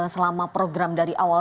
selama program dari awal